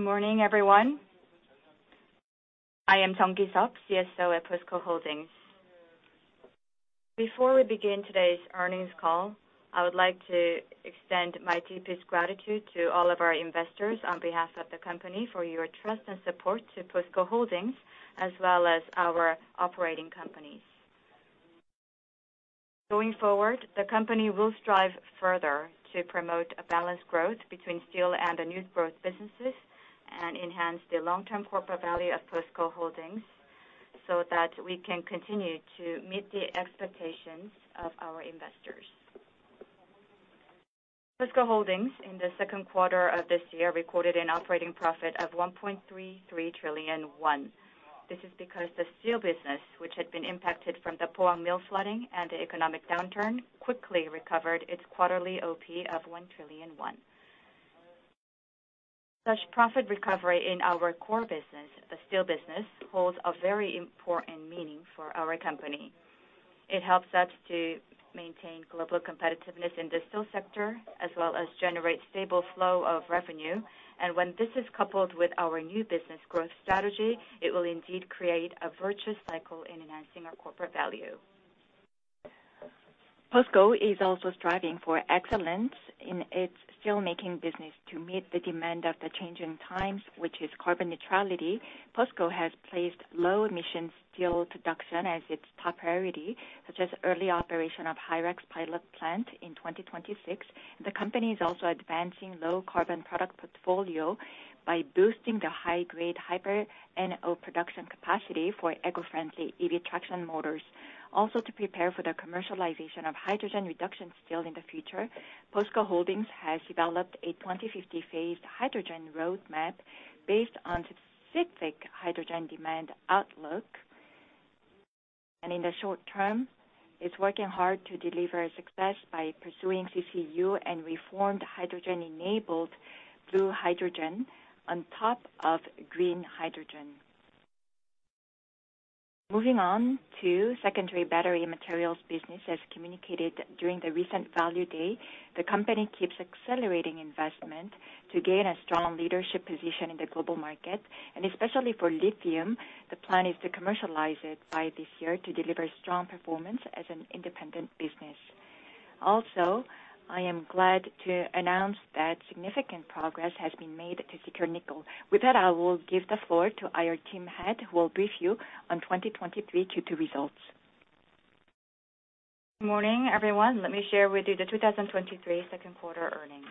Good morning, everyone. I am Jeong Ki-seop, CSO at POSCO Holdings. Before we begin today's earnings call, I would like to extend my deepest gratitude to all of our investors on behalf of the company, for your trust and support to POSCO Holdings, as well as our operating companies. Going forward, the company will strive further to promote a balanced growth between steel and the new growth businesses, and enhance the long-term corporate value of POSCO Holdings, so that we can continue to meet the expectations of our investors. POSCO Holdings, in the second quarter of this year, recorded an operating profit of 1.33 trillion won. This is because the steel business, which had been impacted from the Pohang mill flooding and the economic downturn, quickly recovered its quarterly OP of 1 trillion. Such profit recovery in our core business, the steel business, holds a very important meaning for our company. It helps us to maintain global competitiveness in the steel sector, as well as generate stable flow of revenue. When this is coupled with our new business growth strategy, it will indeed create a virtuous cycle in enhancing our corporate value. POSCO is also striving for excellence in its steelmaking business. To meet the demand of the changing times, which is carbon neutrality, POSCO has placed low-emission steel production as its top priority, such as early operation of HyREX pilot plant in 2026. The company is also advancing low-carbon product portfolio by boosting the high-grade, Hyper NO production capacity for eco-friendly EV traction motors. To prepare for the commercialization of hydrogen reduction steel in the future, POSCO Holdings has developed a 2050 phased hydrogen roadmap based on specific hydrogen demand outlook. In the short term, it's working hard to deliver success by pursuing CCU and reformed hydrogen-enabled blue hydrogen on top of green hydrogen. Moving on to secondary battery materials business. As communicated during the recent Value Day, the company keeps accelerating investment to gain a strong leadership position in the global market, and especially for lithium, the plan is to commercialize it by this year to deliver strong performance as an independent business. I am glad to announce that significant progress has been made to secure nickel. With that, I will give the floor to our team head, who will brief you on 2023 Q2 results. Good morning, everyone. Let me share with you the 2023 second quarter earnings.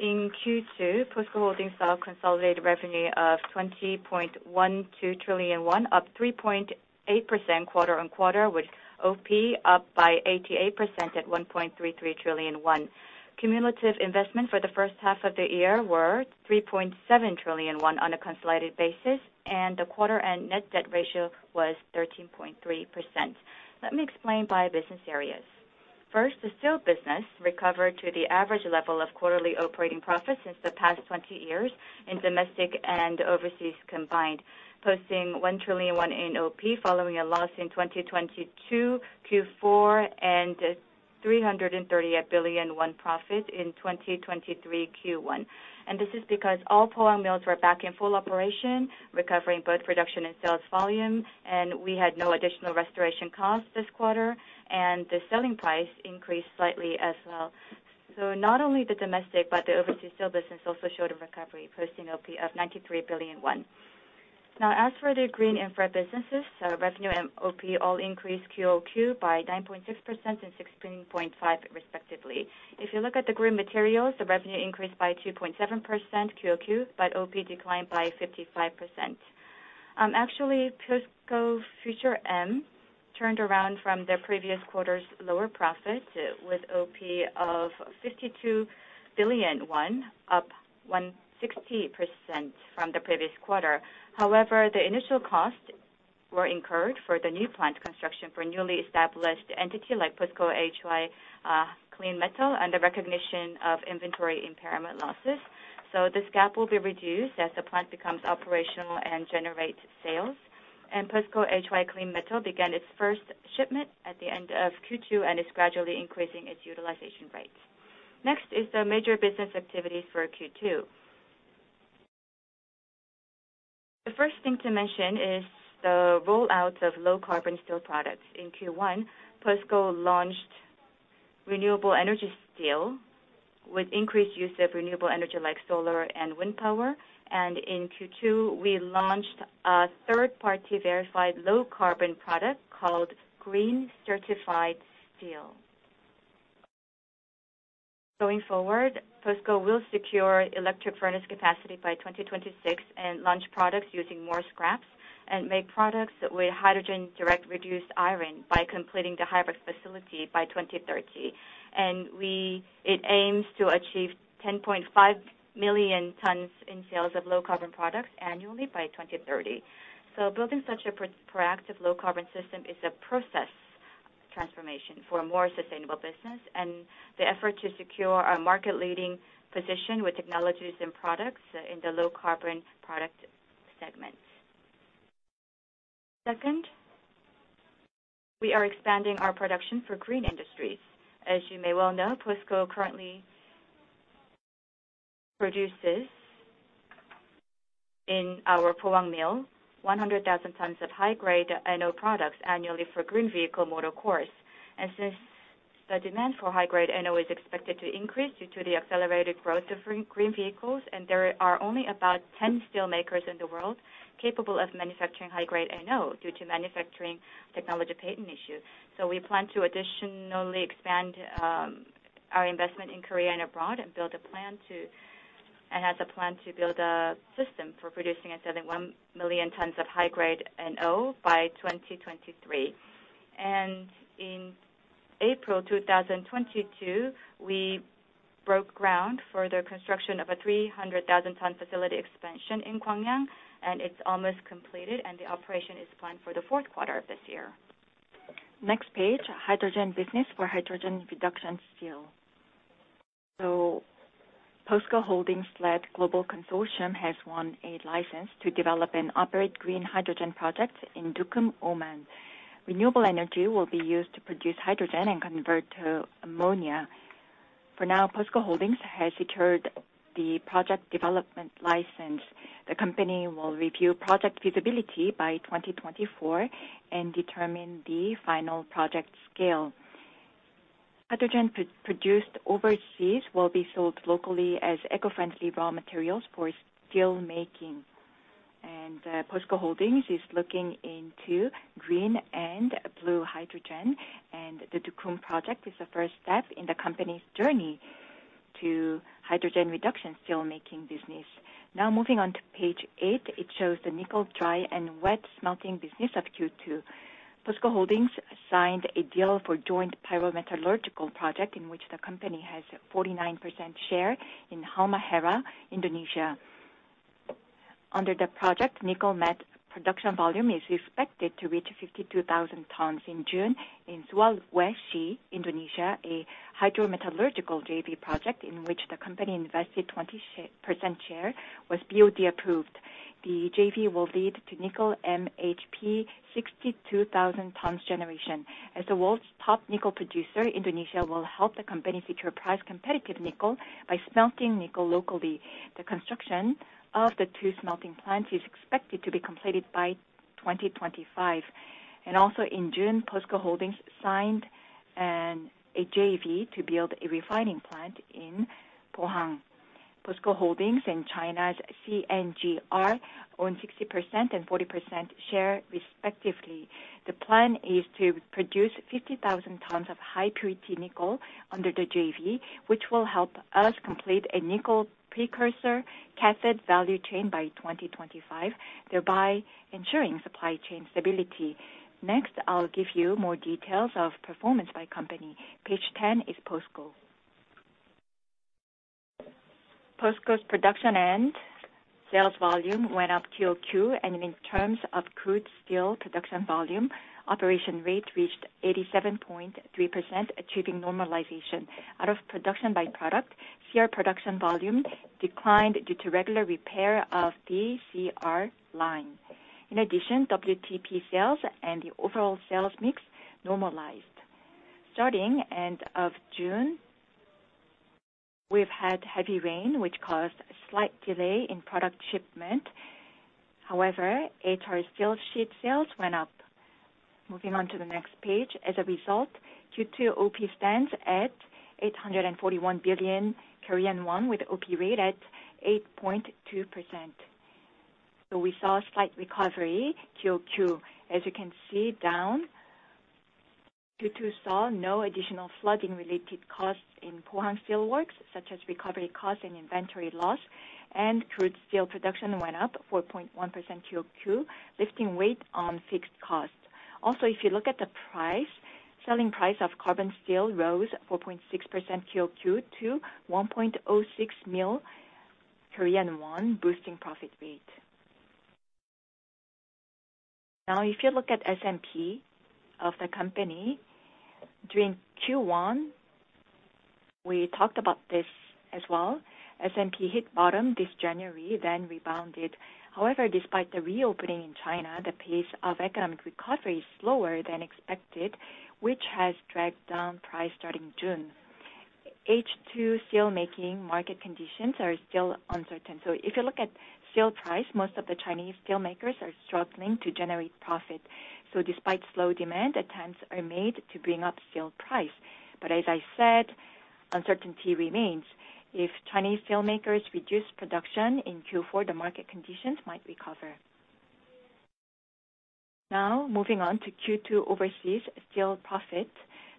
In Q2, POSCO Holdings saw consolidated revenue of 20.12 trillion won, up 3.8% quarter-on-quarter, with OP up by 88% at 1.33 trillion won. Cumulative investment for the first half of the year were 3.7 trillion won on a consolidated basis, and the quarter-end net debt ratio was 13.3%. Let me explain by business areas. First, the steel business recovered to the average level of quarterly operating profit since the past 20 years in domestic and overseas combined, posting 1 trillion in OP, following a loss in 2022 Q4, and 338 billion profit in 2023 Q1. This is because all Pohang mills were back in full operation, recovering both production and sales volume, and we had no additional restoration costs this quarter, and the selling price increased slightly as well. Not only the domestic, but the overseas steel business also showed a recovery, posting OP of 93 billion won. As for the green infra businesses, revenue and OP all increased QoQ by 9.6% and 16.5%, respectively. If you look at the green materials, the revenue increased by 2.7% QoQ, but OP declined by 55%. Actually, POSCO Future M turned around from the previous quarter's lower profit, with OP of 52 billion won, up 160% from the previous quarter. The initial costs were incurred for the new plant construction for a newly established entity like POSCO HY Clean Metal, and the recognition of inventory impairment losses. This gap will be reduced as the plant becomes operational and generates sales. POSCO HY Clean Metal began its first shipment at the end of Q2 and is gradually increasing its utilization rates. Next is the major business activities for Q2. The first thing to mention is the rollout of low-carbon steel products. In Q1, POSCO launched renewable energy steel with increased use of renewable energy, like solar and wind power, and in Q2, we launched a third-party verified low-carbon product called Green Certified Steel. Going forward, POSCO will secure electric furnace capacity by 2026 and launch products using more scraps, and make products with hydrogen direct reduced iron by completing the HyREX facility by 2030. It aims to achieve 10.5 million tons in sales of low-carbon products annually by 2030. Building such a proactive low-carbon system is a process transformation for a more sustainable business, and the effort to secure a market-leading position with technologies and products in the low-carbon product segment. Second, we are expanding our production for green industries. As you may well know, POSCO currently produces in our Pohang mill, 100,000 tons of high-grade NO products annually for green vehicle motor cores. Since the demand for high-grade NO is expected to increase due to the accelerated growth of green vehicles, and there are only about 10 steel makers in the world capable of manufacturing high-grade NO due to manufacturing technology patent issues. We plan to additionally expand our investment in Korea and abroad, and has a plan to build a system for producing 71 million tons of high-grade NO by 2023. In April 2022, we broke ground for the construction of a 300,000 ton facility expansion in Gwangyang, and it's almost completed, and the operation is planned for the fourth quarter of this year. Next page, hydrogen business for hydrogen reduction steel. POSCO Holdings led global consortium, has won a license to develop and operate green hydrogen projects in Duqm, Oman. Renewable energy will be used to produce hydrogen and convert to ammonia. For now, POSCO Holdings has secured the project development license. The company will review project feasibility by 2024 and determine the final project scale. Hydrogen produced overseas will be sold locally as eco-friendly raw materials for steelmaking. POSCO Holdings is looking into green and blue hydrogen, and the Duqm project is the first step in the company's journey to hydrogen reduction steelmaking business. Moving on to page eight, it shows the nickel dry and wet smelting business of Q2. POSCO Holdings signed a deal for joint pyrometallurgical project, in which the company has 49% share in Halmahera, Indonesia. Under the project, nickel matte production volume is expected to reach 52,000 tons in June. In Southwest Sea, Indonesia, a hydrometallurgical JV project, in which the company invested 20% share, was BOD approved. The JV will lead to nickel MHP 62,000 tons generation. As the world's top nickel producer, Indonesia will help the company secure price competitive nickel by smelting nickel locally. The construction of the two smelting plants is expected to be completed by 2025. Also in June, POSCO Holdings signed a JV to build a refining plant in Pohang. POSCO Holdings and China's CNGR own 60% and 40% share, respectively. The plan is to produce 50,000 tons of high purity nickel under the JV, which will help us complete a nickel precursor cathode value chain by 2025, thereby ensuring supply chain stability. I'll give you more details of performance by company. Page 10 is POSCO. POSCO's production and sales volume went up QoQ, and in terms of crude steel production volume, operation rate reached 87.3%, achieving normalization. Out of production by product, CR production volume declined due to regular repair of the CR line. WTP sales and the overall sales mix normalized. Starting end of June, we've had heavy rain, which caused a slight delay in product shipment. HR steel sheet sales went up. Moving on to the next page. As a result, Q2 OP stands at 841 billion Korean won, with OP rate at 8.2%. We saw a slight recovery, QoQ. As you can see, Q2 saw no additional flooding-related costs in Pohang steel works, such as recovery costs and inventory loss, crude steel production went up 4.1% QoQ, lifting weight on fixed costs. Also, if you look at the price, selling price of carbon steel rose 4.6% QoQ to 1.06 million Korean won, boosting profit rate. Now, if you look at S&P of the company, during Q1, we talked about this as well. S&P hit bottom this January, rebounded. However, despite the reopening in China, the pace of economic recovery is slower than expected, which has dragged down price starting June. H2 steelmaking market conditions are still uncertain. If you look at steel price, most of the Chinese steelmakers are struggling to generate profit. Despite slow demand, attempts are made to bring up steel price. As I said, uncertainty remains. If Chinese steelmakers reduce production in Q4, the market conditions might recover. Moving on to Q2 overseas steel profit,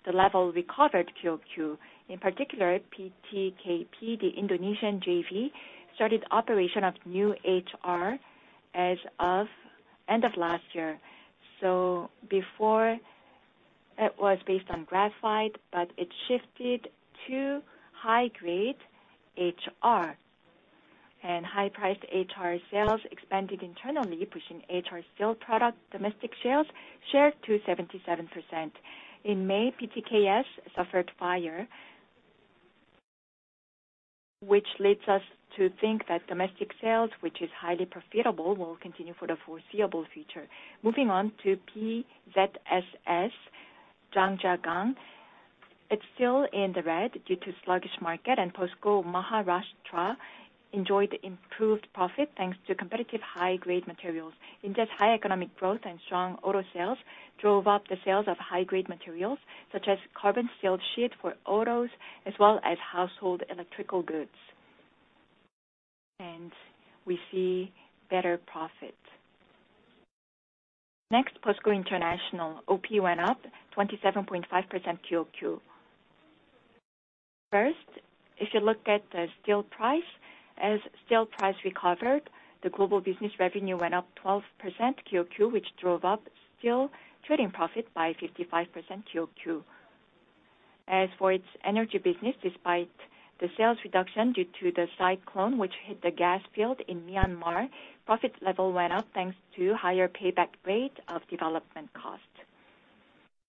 the level recovered QoQ. In particular, PTKP, the Indonesian JV, started operation of new HR as of end of last year. Before, it was based on graphite, but it shifted to high grade HR. High-priced HR sales expanded internally, pushing HR steel product domestic sales share to 77%. In May, PTKS suffered fire, which leads us to think that domestic sales, which is highly profitable, will continue for the foreseeable future. Moving on to PZSS, Zhangjiagang, it's still in the red due to sluggish market. POSCO Maharashtra enjoyed improved profit, thanks to competitive high-grade materials. High economic growth and strong auto sales drove up the sales of high-grade materials, such as carbon steel sheet for autos, as well as household electrical goods. We see better profit. Next, POSCO International. OP went up 27.5% QoQ. First, if you look at the steel price, as steel price recovered, the global business revenue went up 12% QoQ, which drove up steel trading profit by 55% QoQ. As for its energy business, despite the sales reduction due to the cyclone which hit the gas field in Myanmar, profit level went up, thanks to higher payback rate of development costs.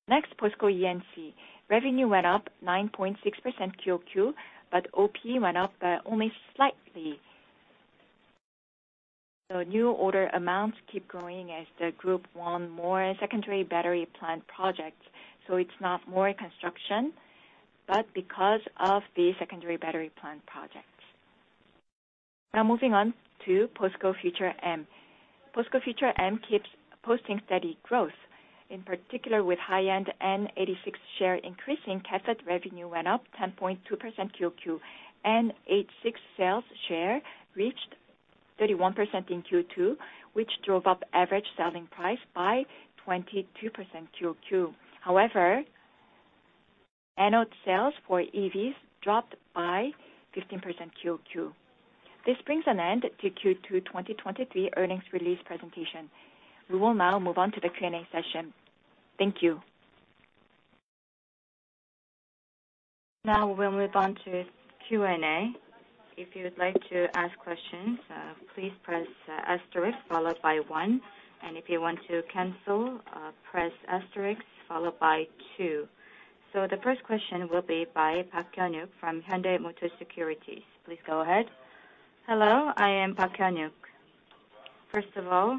Next, POSCO E&C. Revenue went up 9.6% QoQ, but OP went up only slightly. New order amounts keep growing as the group won more secondary battery plant projects, so it's not more construction, but because of the secondary battery plant projects. Moving on to POSCO Future M. POSCO Future M keeps posting steady growth, in particular with high-end N86 share increasing, cathode revenue went up 10.2% QoQ. N86 sales share reached 31% in Q2, which drove up average selling price by 22% QoQ. However, anode sales for EVs dropped by 15% QoQ. This brings an end to Q2 2023 earnings release presentation. We will now move on to the Q&A session. Thank you. We'll move on to Q&A. If you would like to ask questions, please press asterisk followed by one, and if you want to cancel, press asterisk followed by two. The first question will be by Park Hyun-wook from Hyundai Motor Securities. Please go ahead. Hello, I am Park Hyun-wook. First of all,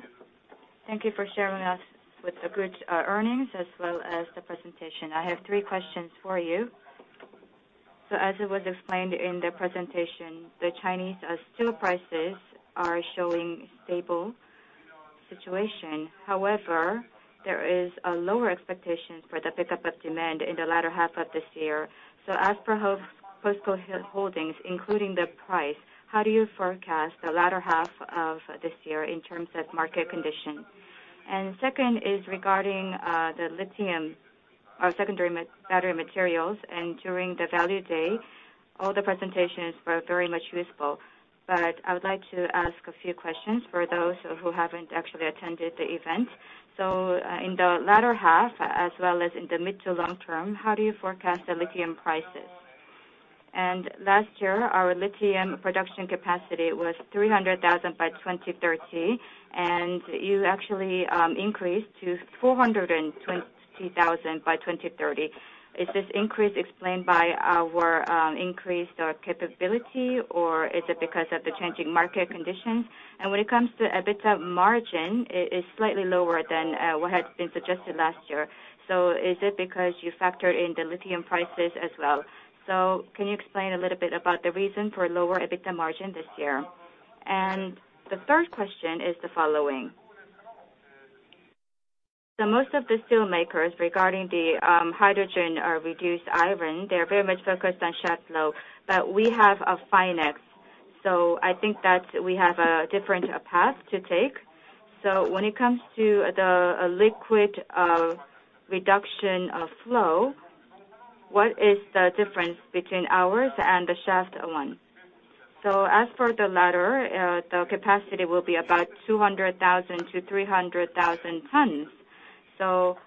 thank you for sharing us with the good earnings as well as the presentation. I have three questions for you. As it was explained in the presentation, the Chinese steel prices are showing stable situation. However, there is a lower expectation for the pickup of demand in the latter half of this year. As for POSCO Holdings, including the price, how do you forecast the latter half of this year in terms of market conditions? Second is regarding the lithium secondary battery materials, and during the Value Day, all the presentations were very much useful. I would like to ask a few questions for those who haven't actually attended the event. In the latter half, as well as in the mid to long term, how do you forecast the lithium prices? Last year, our lithium production capacity was 300,000 by 2030, and you actually increased to 420,000 by 2030. Is this increase explained by our increased capability, or is it because of the changing market conditions? When it comes to EBITDA margin, it is slightly lower than what had been suggested last year. Is it because you factored in the lithium prices as well? Can you explain a little bit about the reason for lower EBITDA margin this year? The third question is the following: Most of the steelmakers, regarding the hydrogen or reduced iron, they're very much focused on shaft flow, but we have a FINEX. I think that we have a different path to take. When it comes to the liquid reduction of flow, what is the difference between ours and the shaft one? As for the latter, the capacity will be about 200,000-300,000 tons.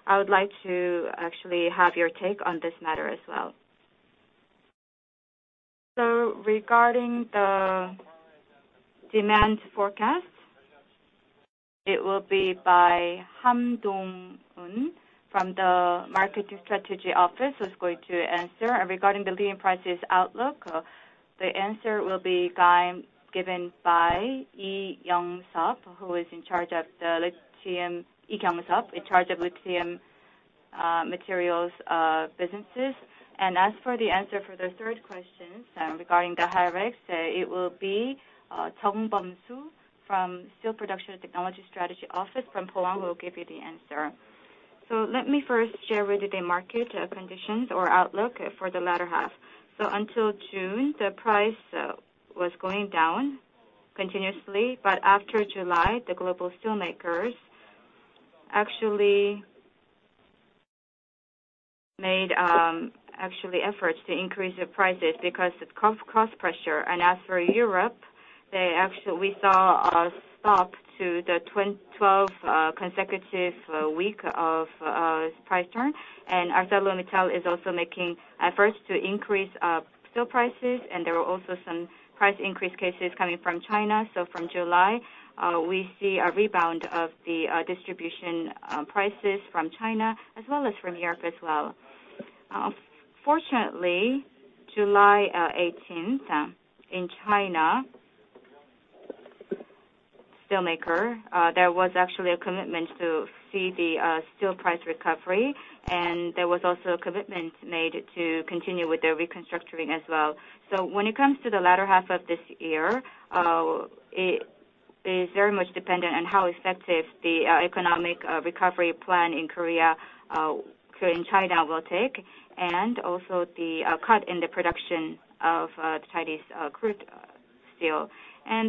I would like to actually have your take on this matter as well. Regarding the demand forecast, it will be by Hyung-Dae Jeong from the Market Strategy Office, who's going to answer. Regarding the leading prices outlook, the answer will be given by Lee Kyung-seop, in charge of lithium materials businesses. As for the answer for the third question, regarding the HyREX, it will be Chung Bum-su from Steel Production Technology Strategy Office from Pohang will give you the answer. Let me first share with you the market conditions or outlook for the latter half. Until June, the price was going down continuously, but after July, the global steelmakers actually made efforts to increase the prices because of cost pressure. As for Europe, they actually we saw a stop to the 12 consecutive week of price turn. ArcelorMittal is also making efforts to increase steel prices, and there are also some price increase cases coming from China. From July, we see a rebound of the distribution prices from China as well as from Europe as well. Fortunately, July 18th, in China. Steelmaker, there was actually a commitment to see the steel price recovery, and there was also a commitment made to continue with their restructuring as well. When it comes to the latter half of this year, it is very much dependent on how effective the economic recovery plan in Korea, in China will take, and also the cut in the production of Chinese crude steel.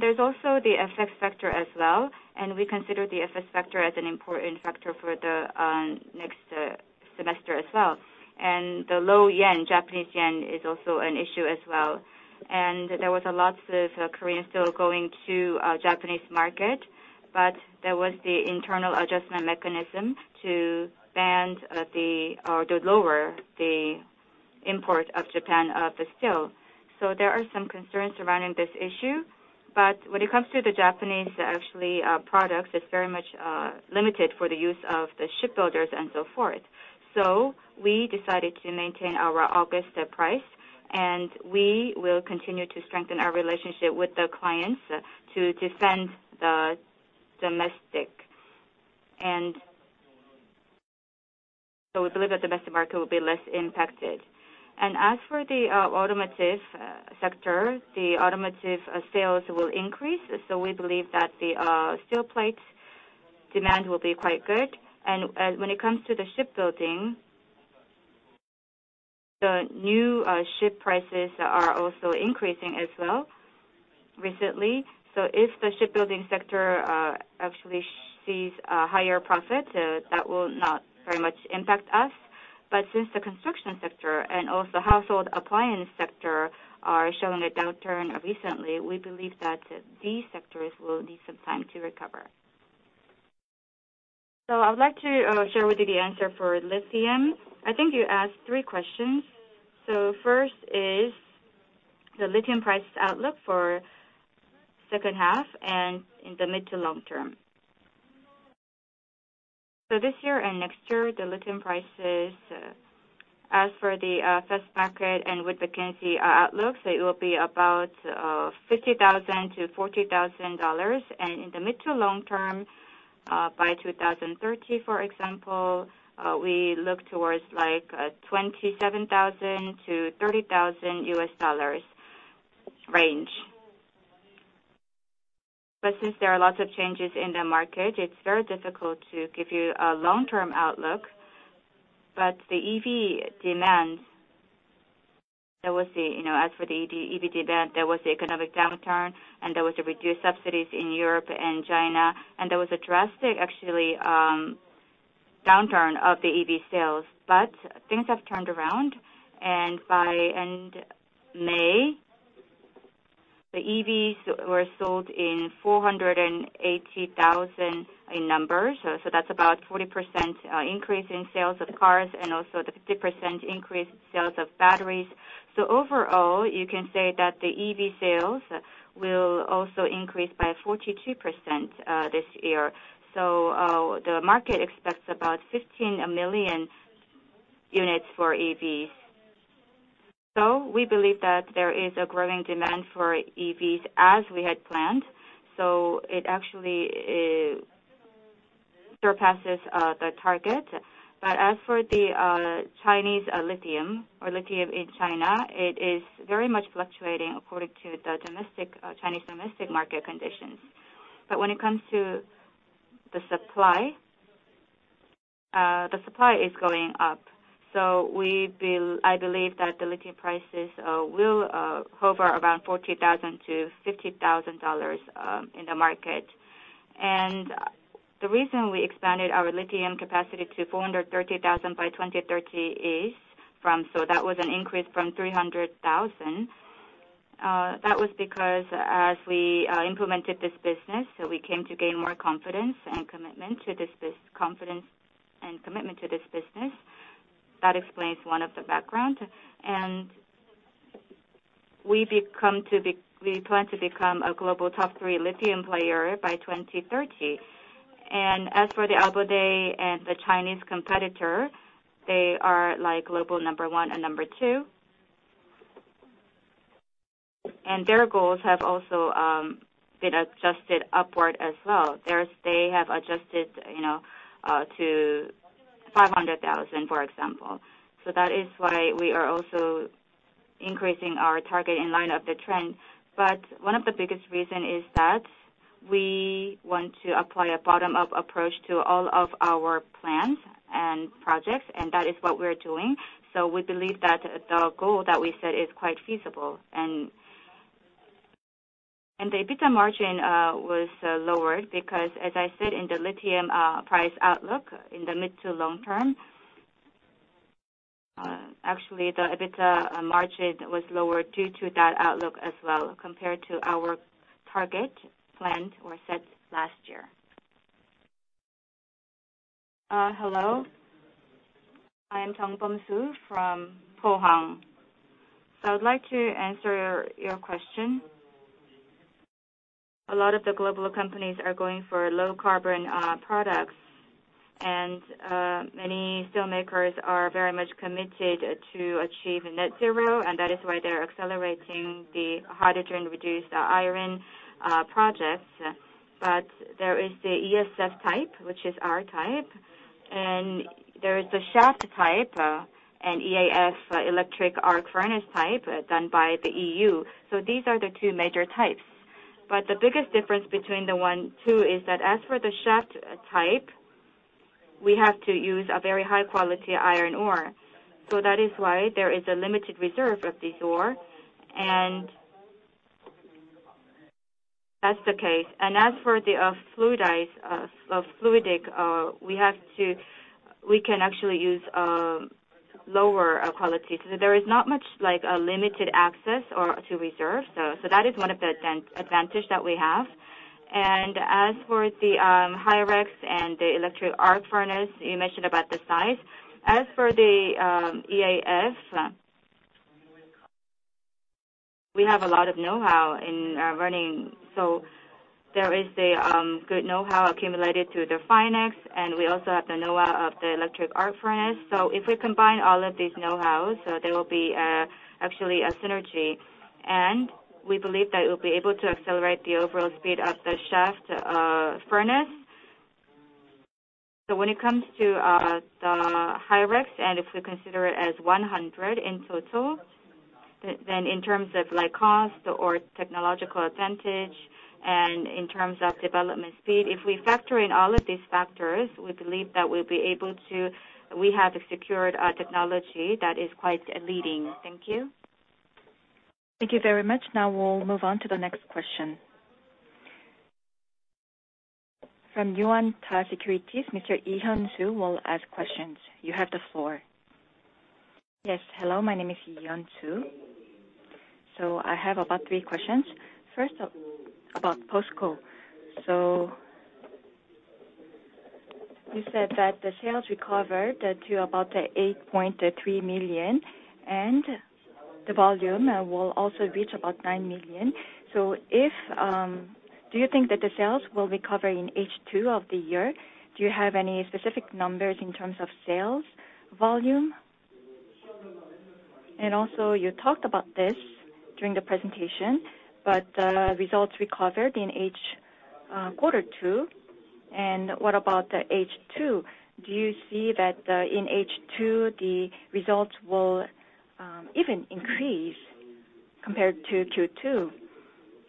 There's also the effect factor as well, and we consider the effect factor as an important factor for the next semester as well. The low Yen, Japanese Yen, is also an issue as well. There was a lot of Korean steel going to Japanese market, but there was the internal adjustment mechanism to ban the to lower the import of Japan, the steel. There are some concerns surrounding this issue, but when it comes to the Japanese, actually, products, it's very much, limited for the use of the shipbuilders and so forth. We decided to maintain our August price, and we will continue to strengthen our relationship with the clients to defend the domestic. We believe that the domestic market will be less impacted. As for the automotive sector, the automotive sales will increase, so we believe that the steel plate demand will be quite good. When it comes to the shipbuilding, the new ship prices are also increasing as well recently. If the shipbuilding sector actually sees a higher profit, that will not very much impact us. Since the construction sector and also household appliance sector are showing a downturn recently, we believe that these sectors will need some time to recover. I would like to share with you the answer for lithium. I think you asked three questions. First is the lithium price outlook for second half and in the mid to long term. This year and next year, the lithium prices, as for the first market and with the McKinsey outlook, it will be about $50,000-$40,000. In the mid to long term, by 2030, for example, we look towards like $27,000-$30,000 range. Since there are lots of changes in the market, it's very difficult to give you a long-term outlook. The EV demand, there was the, you know, as for the EV demand, there was the economic downturn, and there was the reduced subsidies in Europe and China, and there was a drastic actually downturn of the EV sales. Things have turned around, and by end May, the EVs were sold in 480,000 in numbers. So that's about 40% increase in sales of cars and also the 50% increase in sales of batteries. Overall, you can say that the EV sales will also increase by 42% this year. The market expects about 15 million units for EVs. We believe that there is a growing demand for EVs as we had planned, so it actually surpasses the target. As for the Chinese lithium or lithium in China, it is very much fluctuating according to the domestic Chinese domestic market conditions. When it comes to the supply, the supply is going up. I believe that the lithium prices will hover around $40,000-$50,000 in the market. The reason we expanded our lithium capacity to 430,000 by 2030 is from, that was an increase from 300,000. That was because as we implemented this business, we came to gain more confidence and commitment to this business. That explains one of the background. We plan to become a global top three lithium player by 2030. As for the Albemarle and the Chinese competitor, they are like global number one and number two. Their goals have also been adjusted upward as well. They have adjusted, you know, to 500,000, for example. That is why we are also increasing our target in line of the trend. One of the biggest reason is that we want to apply a bottom-up approach to all of our plans and projects, and that is what we're doing. We believe that the goal that we set is quite feasible. The EBITDA margin was lowered because, as I said, in the lithium price outlook, in the mid to long term, actually the EBITDA margin was lowered due to that outlook as well, compared to our target planned or set last year. Hello, I'm Chung Bum-Su from Pohang. I would like to answer your question. A lot of the global companies are going for low carbon products. Many steel makers are very much committed to achieve net zero, and that is why they're accelerating the hydrogen reduced iron projects. There is the EAF type, which is our type, and there is the shaft type and EAF, electric arc furnace type, done by the EU. These are the two major types. The biggest difference between the one, two is that as for the shaft type, we have to use a very high quality iron ore. That is why there is a limited reserve of this ore, and that's the case. As for the fluidized bed, we can actually use lower quality. There is not much like a limited access or to reserve, so that is one of the advantage that we have. As for the HyREX and the electric arc furnace, you mentioned about the size. As for the EAF, we have a lot of know-how in running, so there is a good know-how accumulated through the Finance, and we also have the know-how of the electric arc furnace. If we combine all of these know-hows, there will be actually a synergy, and we believe that it will be able to accelerate the overall speed of the shaft furnace. When it comes to the HyREX, if we consider it as 100 in total, then in terms of like cost or technological advantage and in terms of development speed, if we factor in all of these factors, we believe that we have secured our technology that is quite leading. Thank you. Thank you very much. Now we'll move on to the next question. From Yuanta Securities, Mr. Yi Hyun-soo will ask questions. You have the floor. Hello, my name is Yi Hyun-soo. I have about three questions. First, about POSCO. You said that the sales recovered to about 8.3 million, and the volume will also reach about 9 million. Do you think that the sales will recover in H2 of the year? Do you have any specific numbers in terms of sales volume? You talked about this during the presentation, but the results recovered in quarter two. What about the H2? Do you see that in H2, the results will even increase compared to Q2?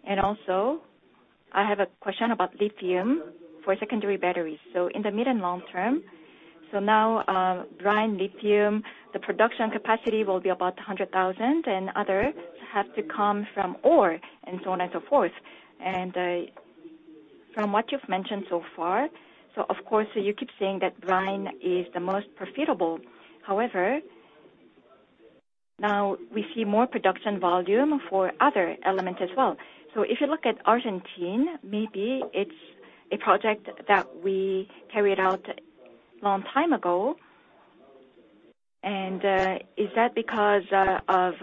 I have a question about lithium for secondary batteries. In the mid and long term, so now, brine lithium, the production capacity will be about 100,000, and other have to come from ore, and so on and so forth. From what you've mentioned so far, so of course, you keep saying that brine is the most profitable. However, now we see more production volume for other elements as well. If you look at Argentina, maybe it's a project that we carried out long time ago. Is that because of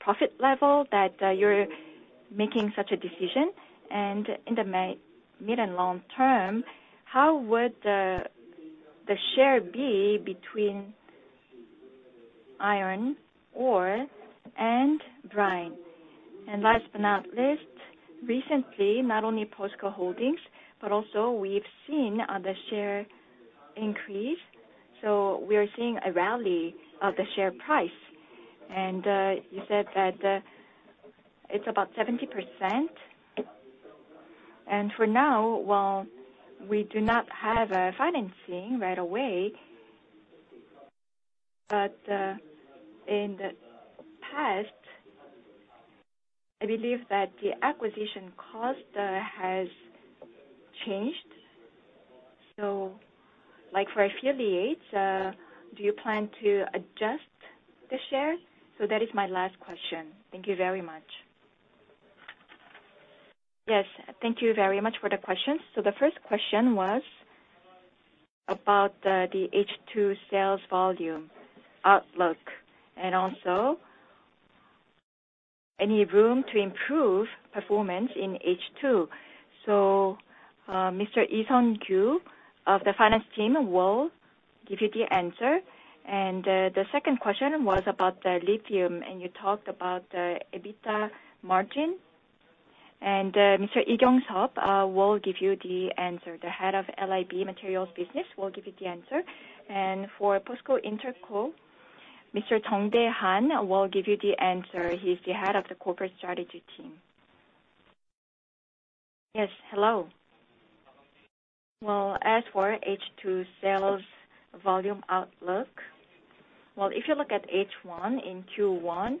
profit level that you're making such a decision? In the mid and long term, how would the share be between iron ore and brine? Last but not least, recently, not only POSCO Holdings, but also we've seen, the share increase, so we are seeing a rally of the share price. You said that it's about 70%. For now, while we do not have a financing right away, in the past, I believe that the acquisition cost has changed. Like, for affiliates, do you plan to adjust the shares? That is my last question. Thank you very much. Yes, thank you very much for the question. The first question was about the H2 sales volume outlook, and also any room to improve performance in H2. Mr. Lee Sunggu of the Finance team will give you the answer. The second question was about the lithium, and you talked about the EBITDA margin, and Mr. Lee Jongseop will give you the answer. The Head of LiB Materials Business will give you the answer. For POSCO Interco, Mr. Jung Daehan will give you the answer. He's the Head of the Corporate Strategy Team. Yes, hello. Well, as for H2 sales volume outlook, well, if you look at H1 in Q1,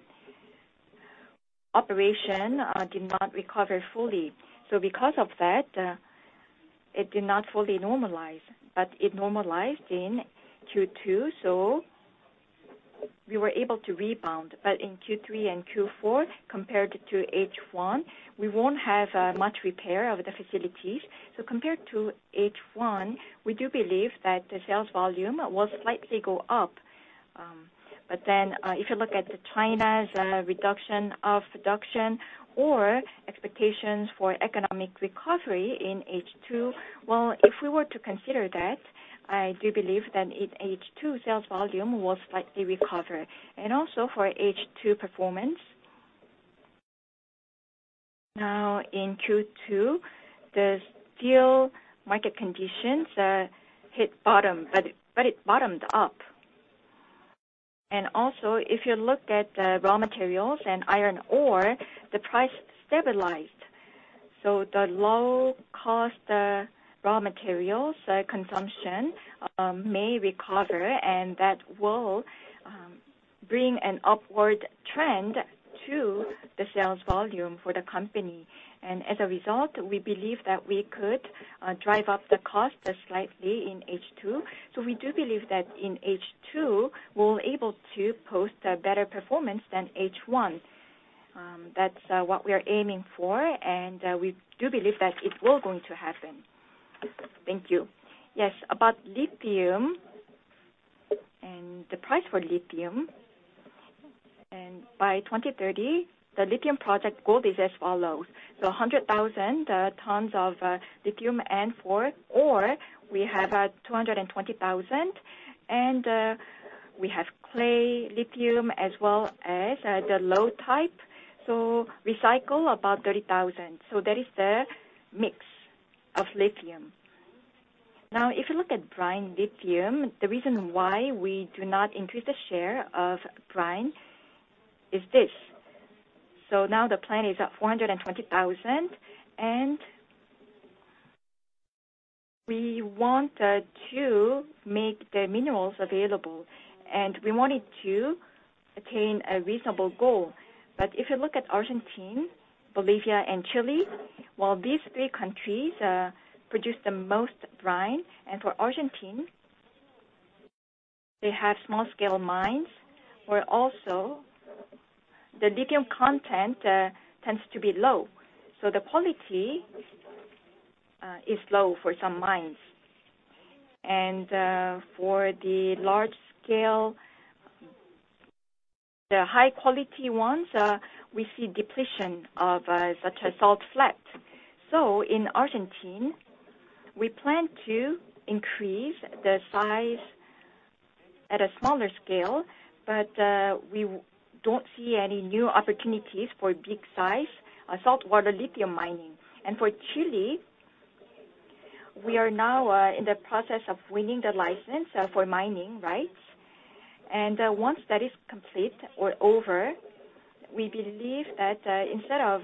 operation did not recover fully. Because of that, it did not fully normalize, but it normalized in Q2, so we were able to rebound. In Q3 and Q4, compared to H1, we won't have much repair of the facilities. Compared to H1, we do believe that the sales volume will slightly go up. If you look at China's reduction of production or expectations for economic recovery in H2, well, if we were to consider that, I do believe that in H2, sales volume will slightly recover. Also for H2 performance, now in Q2, the steel market conditions hit bottom, but it bottomed up. Also, if you look at the raw materials and iron ore, the price stabilized. The low cost raw materials consumption may recover, and that will bring an upward trend to the sales volume for the company. As a result, we believe that we could drive up the cost slightly in H2. We do believe that in H2, we'll able to post a better performance than H1. That's what we are aiming for, and we do believe that it will going to happen. Thank you. About lithium and the price for lithium, and by 2030, the lithium project goal is as follows: the 100,000 tons of lithium and for ore, we have 220,000, and we have clay lithium as well as the low type, so recycle about 30,000. That is the mix of lithium. If you look at brine lithium, the reason why we do not increase the share of brine is this. Now the plan is at 420,000, and we want to make the minerals available, and we wanted to attain a reasonable goal. If you look at Argentina, Bolivia, and Chile, well, these three countries produce the most brine, and for Argentina, they have small scale mines, where also the lithium content tends to be low. The quality is low for some mines. For the large scale, the high quality ones, we see depletion of such as salt lake. In Argentina, we plan to increase the size at a smaller scale, but we don't see any new opportunities for big size saltwater lithium mining. For Chile, we are now in the process of winning the license for mining rights. Once that is complete or over, we believe that instead of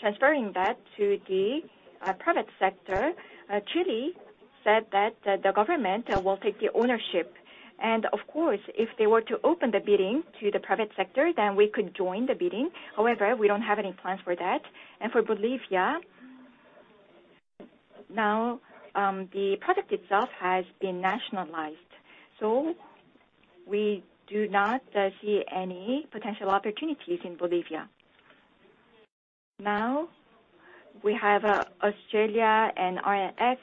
transferring that to the private sector, Chile said that the government will take the ownership. Of course, if they were to open the bidding to the private sector, then we could join the bidding. However, we don't have any plans for that. For Bolivia, now, the project itself has been nationalized, so we do not see any potential opportunities in Bolivia. We have Australia and RNO.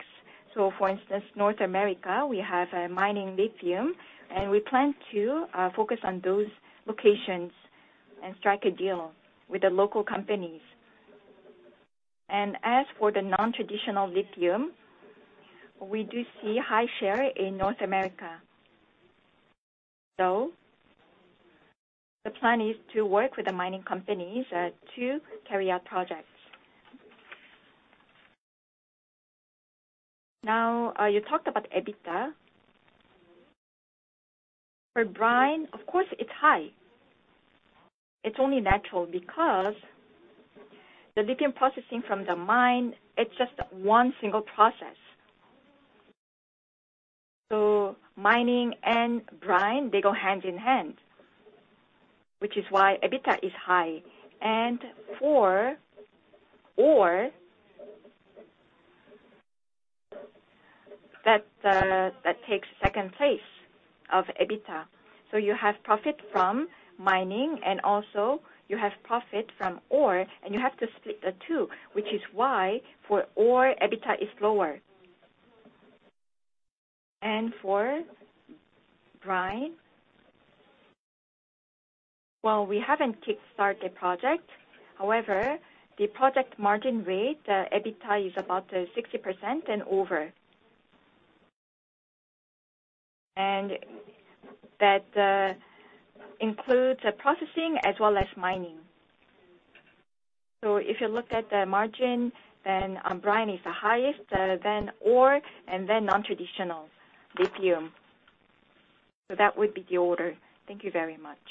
For instance, North America, we have mining lithium, and we plan to focus on those locations and strike a deal with the local companies. As for the nontraditional lithium, we do see high share in North America. The plan is to work with the mining companies to carry out projects. Now, you talked about EBITDA. For brine, of course, it's high. It's only natural because the lithium processing from the mine, it's just one single process. Mining and brine, they go hand in hand, which is why EBITDA is high. For ore, that takes second place of EBITDA. You have profit from mining, and also you have profit from ore, and you have to split the two, which is why for ore, EBITDA is lower. For brine, well, we haven't kick-start the project. However, the project margin rate, EBITDA, is about 60% and over. That includes the processing as well as mining. If you look at the margin, then, brine is the highest, then ore, and then nontraditional lithium. That would be the order. Thank you very much.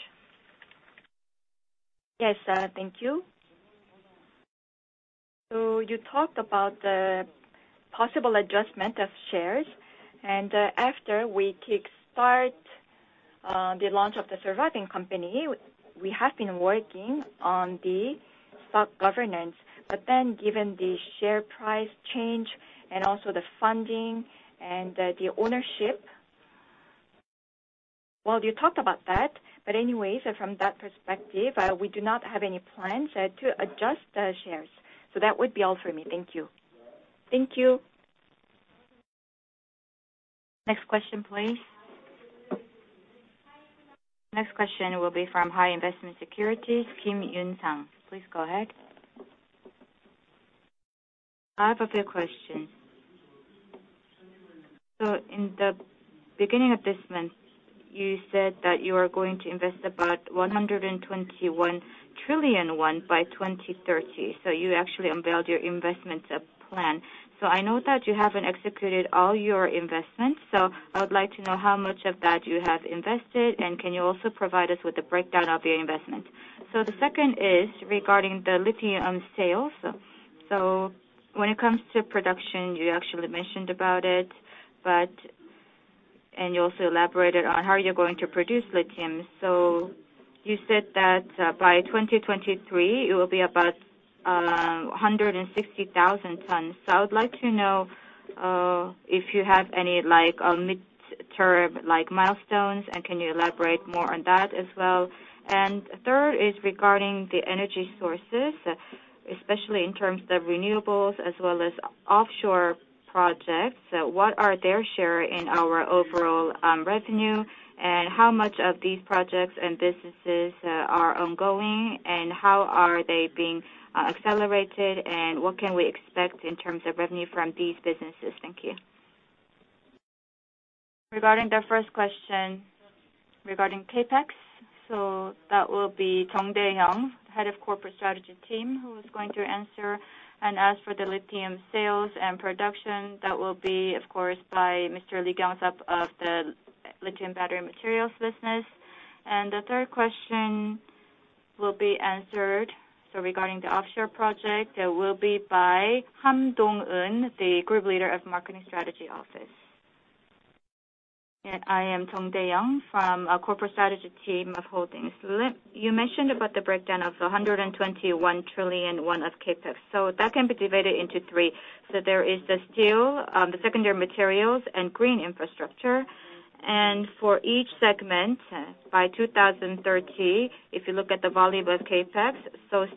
Yes, thank you. You talked about the possible adjustment of shares, and after we kickstart the launch of the surviving company, we have been working on the stock governance. Given the share price change and also the funding and the ownership, well, you talked about that, but anyways, from that perspective, we do not have any plans to adjust the shares. That would be all for me. Thank you. Thank you. Next question, please. Next question will be from HI Investment & Securities, a Kim Yoon-sang, please go ahead. I have a few questions. In the beginning of this month, you said that you are going to invest about 121 trillion won by 2030. You actually unveiled your investment plan. I know that you haven't executed all your investments, so I would like to know how much of that you have invested, and can you also provide us with a breakdown of your investment? The second is regarding the lithium sales. When it comes to production, you actually mentioned about it. You also elaborated on how you're going to produce lithium. You said that, by 2023, it will be about 160,000 tons. I would like to know if you have any mid-term milestones, and can you elaborate more on that as well? Third is regarding the energy sources, especially in terms of renewables as well as offshore projects. What are their share in our overall revenue? How much of these projects and businesses are ongoing, and how are they being accelerated, and what can we expect in terms of revenue from these businesses? Thank you. Regarding the first question regarding CapEx, that will be Jung Dae Young, Head of Corporate Strategy Team, who is going to answer. As for the lithium sales and production, that will be, of course, by Mr. Lee Kyoung-sup of the LiB Materials business. The third question will be answered regarding the offshore project, that will be by Jeong Dae-Hyung the Group Leader of Marketing Strategy Office. I am Jeong Dae-Hyung from our Corporate Strategy Team of Holdings. You mentioned about the breakdown of the 121 trillion won of CapEx. That can be divided into three. There is the steel, the secondary materials, and green infrastructure. For each segment, by 2030, if you look at the volume of CapEx,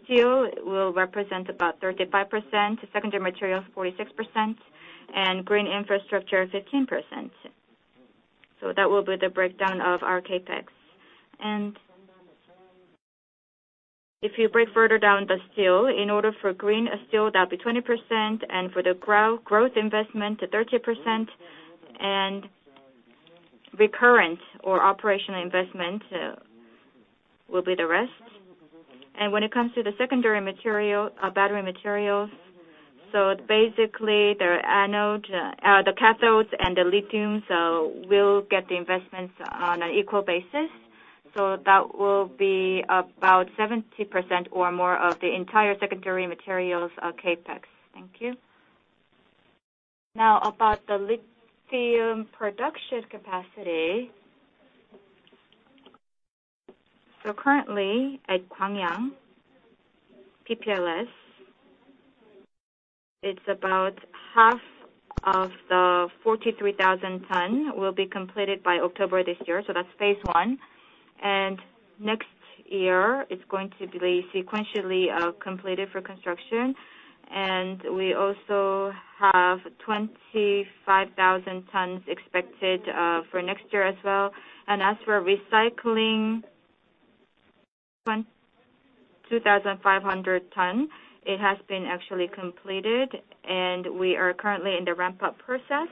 steel will represent about 35%, secondary materials, 46%, and green infrastructure, 15%. That will be the breakdown of our CapEx. If you break further down the steel, in order for green steel, that will be 20%, and for the growth investment, 30%, and recurrent or operational investment will be the rest. When it comes to the secondary material, battery materials, the anode, the cathodes and the lithium will get the investments on an equal basis. That will be about 70% or more of the entire secondary materials CapEx. Thank you. Now, about the lithium production capacity. Currently, at Gwangyang, PPLS, it's about half of the 43,000 ton will be completed by October this year, so that's phase 1. Next year, it's going to be sequentially completed for construction. We also have 25,000 tons expected for next year as well. As for recycling, 2,500 ton, it has been actually completed, and we are currently in the ramp-up process.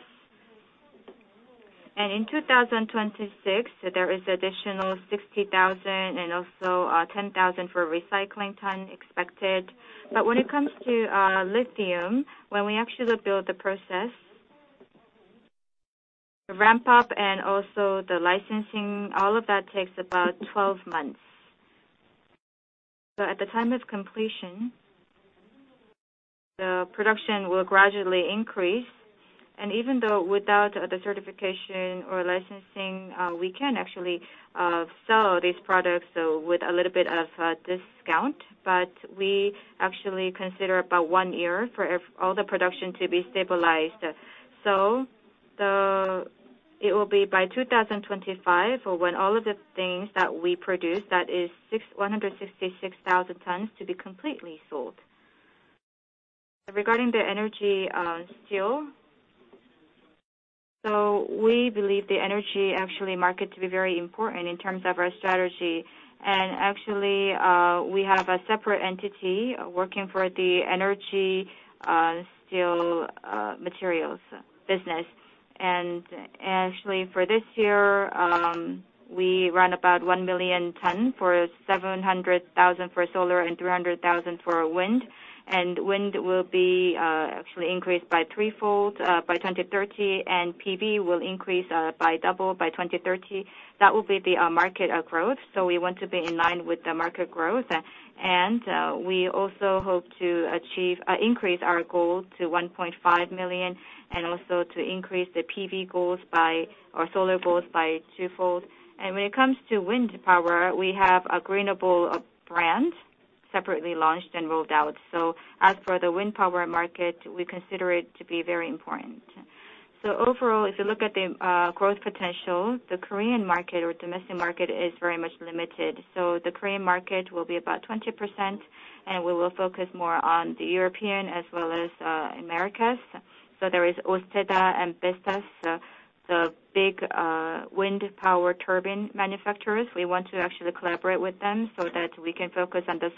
In 2026, there is additional 60,000 and also 10,000 for recycling ton expected. When it comes to lithium, when we actually build the process, the ramp-up and also the licensing, all of that takes about 12 months. At the time of completion, the production will gradually increase. Even though without the certification or licensing, we can actually sell these products, so with a little bit of a discount, but we actually consider about 1 year for all the production to be stabilized. It will be by 2025, or when all of the things that we produce, that is 166,000 tons, to be completely sold. Regarding the energy steel, we believe the energy actually market to be very important in terms of our strategy. Actually, we have a separate entity working for the energy steel materials business. Actually, for this year, we run about 1 million ton, for 700,000 for solar and 300,000 for wind. Wind will be actually increased by threefold by 2030, and PV will increase by double by 2030. That will be the market growth, so we want to be in line with the market growth. We also hope to achieve increase our goal to 1.5 million and also to increase the PV goals by, or solar goals, by twofold. When it comes to wind power, we have a Greenable brand separately launched and rolled out. As for the wind power market, we consider it to be very important. Overall, if you look at the growth potential, the Korean market or domestic market is very much limited. The Korean market will be about 20%, and we will focus more on the European as well as Americas. There is Ørsted and Vestas the big wind power turbine manufacturers. We want to actually collaborate with them so that we can focus on the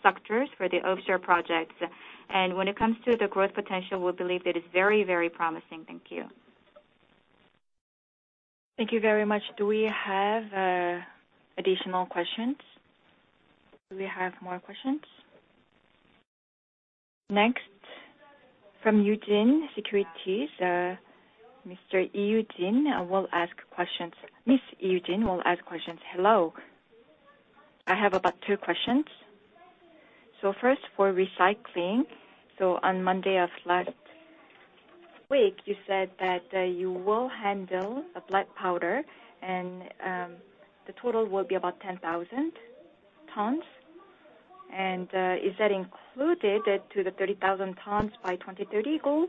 structures for the offshore projects. When it comes to the growth potential, we believe it is very promising. Thank you. Thank you very much. Do we have additional questions? Do we have more questions? Next, from Eugene Securities, Mr. Lee Yu Jin will ask questions. Lee. Eugene will ask questions. Hello, I have about two questions. First, for recycling, on Monday of last week, you said that you will handle a black powder and the total will be about 10,000 tons. Is that included to the 30,000 tons by 2030 goal?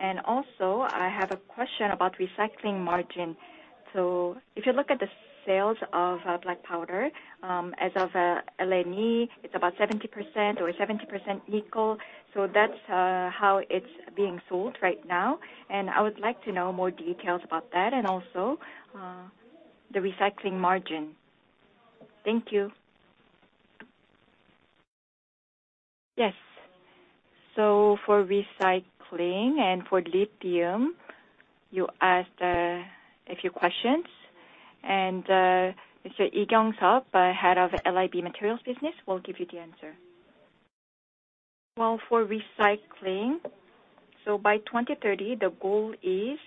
I have a question about recycling margin. If you look at the sales of black powder, as of LNE, it's about 70% or 70% nickel. That's how it's being sold right now. I would like to know more details about that and also, the recycling margin. Thank you. Yes. For recycling and for lithium, you asked, a few questions, Mr. Lee Kyung-seop, Head of LiB Materials Business, will give you the answer. For recycling, by 2030, the goal is...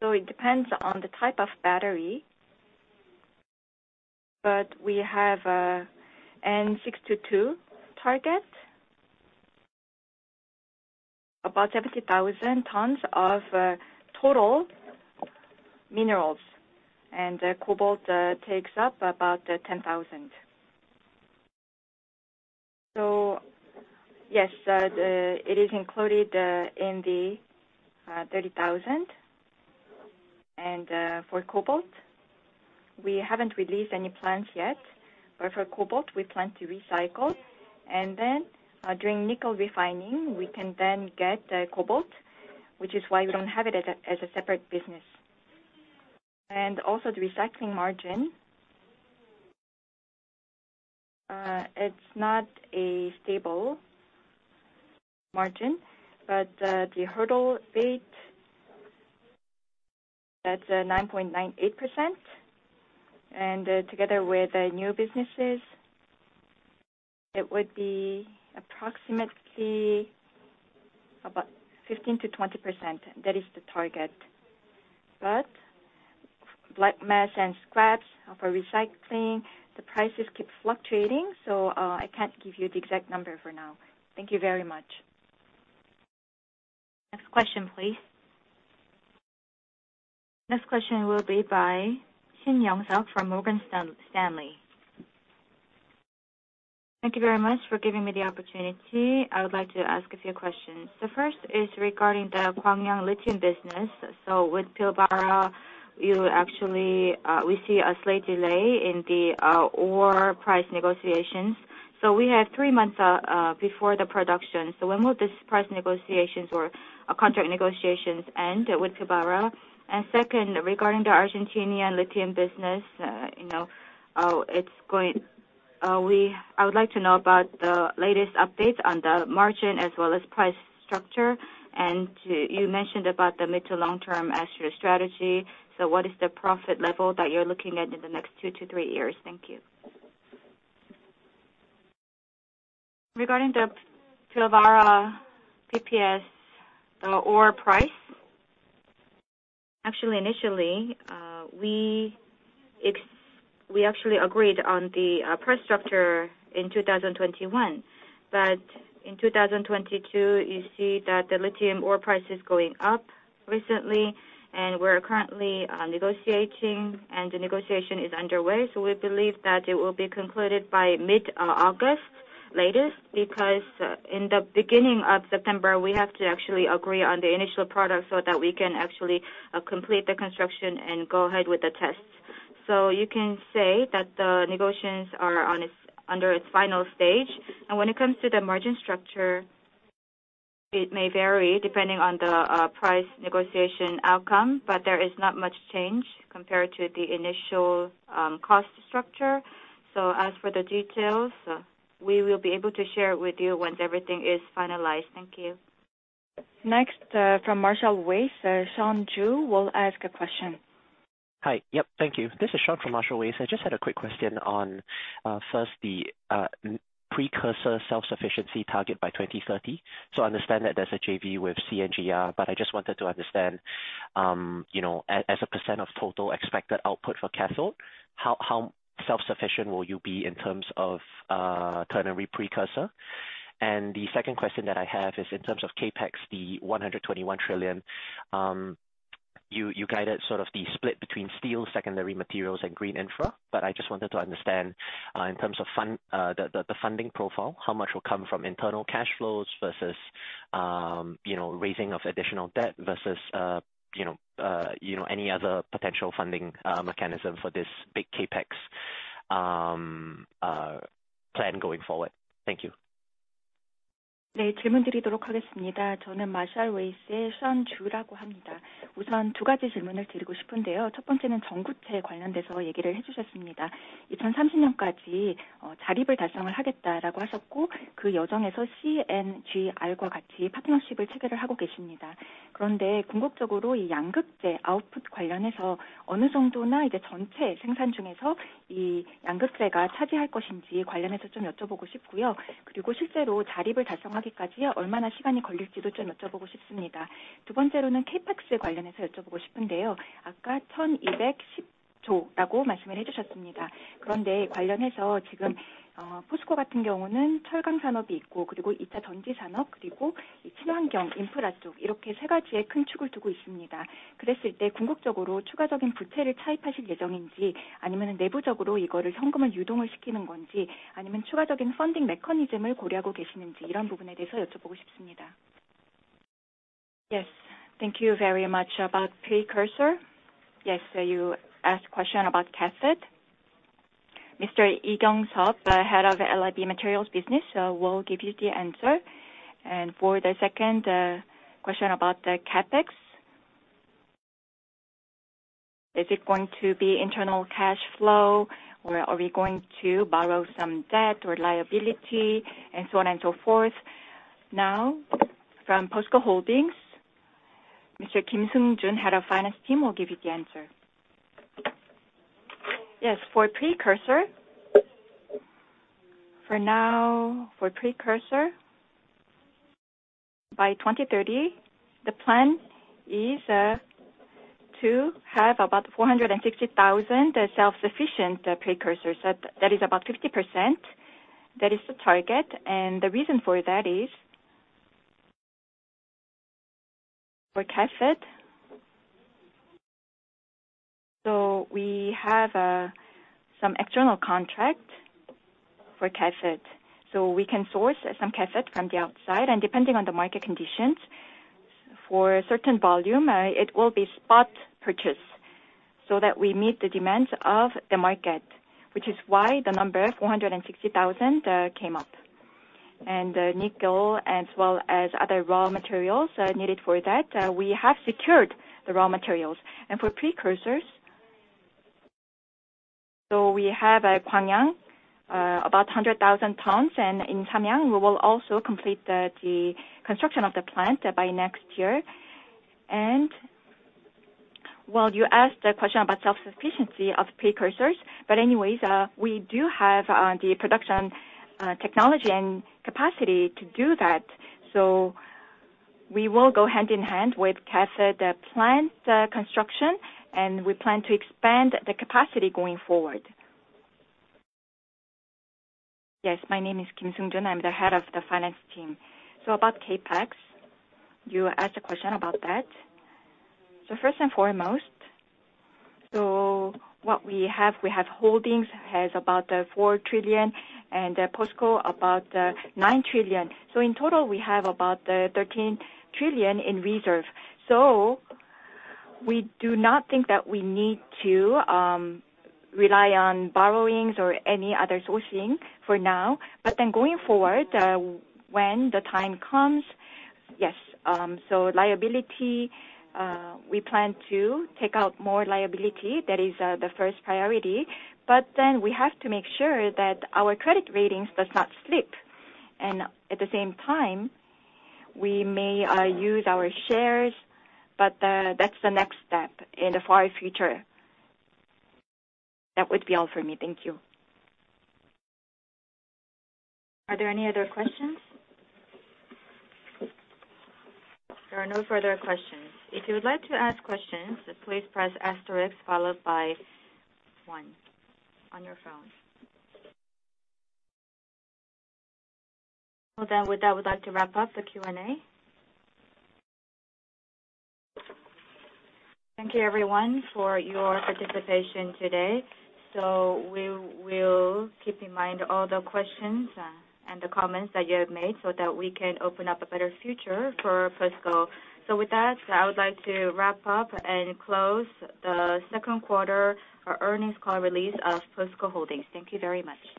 It depends on the type of battery, but we have, N622 target, about 70,000 tons of, total minerals, and, cobalt, takes up about 10,000. Yes, the, it is included, in the, 30,000. For cobalt, we haven't released any plans yet, but for cobalt, we plan to recycle. Then, during nickel refining, we can then get, cobalt, which is why we don't have it as a separate business. Also the recycling margin, it's not a stable margin, but, the hurdle rate, that's, 9.98%. Together with the new businesses, it would be approximately about 15%-20%. That is the target. Black mass and scraps for recycling, the prices keep fluctuating, so I can't give you the exact number for now. Thank you very much. Next question, please. Next question will be by Shin Youngsuk from Morgan Stanley. Thank you very much for giving me the opportunity. I would like to ask a few questions. The first is regarding the Gwangyang lithium business. With Pilbara, you actually, we see a slight delay in the ore price negotiations. We have three months before the production. When will this price negotiations or contract negotiations end with Pilbara? Second, regarding the Argentinian lithium business, you know, how it's going, I would like to know about the latest updates on the margin as well as price structure. You, you mentioned about the mid to long-term as your strategy. What is the profit level that you're looking at in the next two to three years? Thank you. Regarding the Pilbara PPS, the ore price, actually, initially, we actually agreed on the price structure in 2021. In 2022, you see that the lithium ore price is going up recently, and we're currently negotiating, and the negotiation is underway. We believe that it will be concluded by mid August latest, because in the beginning of September, we have to actually agree on the initial product so that we can actually complete the construction and go ahead with the tests. You can say that the negotiations are under its final stage. When it comes to the margin structure, it may vary depending on the price negotiation outcome, but there is not much change compared to the initial cost structure. As for the details, we will be able to share with you once everything is finalized. Thank you. Next, from Marshall Wace, Sean Jou will ask a question. Hi. Yep, thank you. This is Sean from Marshall Wace. I just had a quick question on first, the precursor self-sufficiency target by 2030. I understand that there's a JV with CNGR, but I just wanted to understand, you know, as a % of total expected output for cathode, how self-sufficient will you be in terms of ternary precursor? The second question that I have is in terms of CapEx, the KRW 121 trillion, you guided sort of the split between steel, secondary materials, and green infra, but I just wanted to understand in terms of fund, the funding profile, how much will come from internal cash flows versus, you know, raising of additional debt versus, you know, any other potential funding mechanism for this big CapEx plan going forward? Thank you. 질문 드리도록 하겠습니다. 저는 Marshall Wace의 Sean Ju라고 합니다. 우선 두 가지 질문을 드리고 싶은데요. 첫 번째는 전구체 관련돼서 얘기를 해주셨습니다. 2030년까지 자립을 달성을 하겠다라고 하셨고, 그 여정에서 CNGR과 같이 파트너십을 체결을 하고 계십니다. 궁극적으로 이 양극재 아웃풋 관련해서 어느 정도나 이제 전체 생산 중에서 이 양극재가 차지할 것인지 관련해서 좀 여쭤보고 싶고요. 실제로 자립을 달성하기까지 얼마나 시간이 걸릴지도 좀 여쭤보고 싶습니다. 두 번째로는 CapEx에 관련해서 여쭤보고 싶은데요. 아까 KRW 1,210 trillion이라고 말씀을 해주셨습니다. 관련해서 지금 POSCO 같은 경우는 철강 산업이이 있고, 그리고 이차전지 산업, 그리고 이 친환경 인프라 쪽, 이렇게 세 가지의 큰 축을 두고 있습니다. 그랬을 때 궁극적으로 추가적인 부채를 차입하실 예정인지, 아니면은 내부적으로 이거를 현금을 유동을 시키는 건지, 아니면 추가적인 펀딩 메커니즘을 고려하고 계시는지, 이런 부분에 대해서 여쭤보고 싶습니다. Yes, thank you very much. About precursor. You asked question about cathode. Mr. Lee Kyung-seop, the Head of LiB Materials Business, will give you the answer. For the second question about the CapEx, is it going to be internal cash flow, or are we going to borrow some debt or liability, and so on and so forth? From POSCO Holdings, Mr. Kim Seung-Jun, Head of Finance Team, will give you the answer. For precursor, for now, for precursor, by 2030, the plan is to have about 460,000 self-sufficient precursors. That is about 50%. That is the target. The reason for that is for cathode... We have some external contract for cathode. We can source some cathode from the outside, and depending on the market conditions, for a certain volume, it will be spot purchase, so that we meet the demands of the market, which is why the number 460,000 came up. Nickel as well as other raw materials needed for that, we have secured the raw materials. For precursors, we have at Gwangyang about 100,000 tons, and in Yulchon, we will also complete the construction of the plant by next year. Well, you asked the question about self-sufficiency of precursors, but anyways, we do have the production technology and capacity to do that, so we will go hand-in-hand with cathode, the plant construction, and we plan to expand the capacity going forward. Yes, my name is Kim Seung-jun. I'm the head of the Finance Team. About CapEx, you asked a question about that. First and foremost, what we have, POSCO Holdings has about 4 trillion and POSCO about 9 trillion. In total, we have about 13 trillion in reserve. We do not think that we need to rely on borrowings or any other sourcing for now. Going forward, when the time comes, yes, liability, we plan to take out more liability. That is the first priority. We have to make sure that our credit ratings does not slip, and at the same time, we may use our shares, but that's the next step in the far future. That would be all for me. Thank you. Are there any other questions? There are no further questions. If you would like to ask questions, please press asterisk followed by one on your phone. With that, we'd like to wrap up the Q&A. Thank you, everyone, for your participation today. We will keep in mind all the questions, and the comments that you have made so that we can open up a better future for POSCO. With that, I would like to wrap up and close the second quarter earnings call release of POSCO Holdings. Thank you very much!